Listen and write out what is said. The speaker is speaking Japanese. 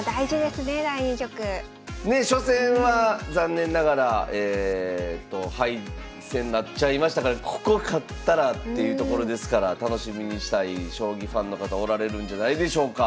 初戦は残念ながら敗戦になっちゃいましたからここ勝ったらっていうところですから楽しみにしたい将棋ファンの方おられるんじゃないでしょうか。